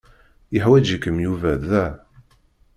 Yeḥwaǧ-ikem Yuba da.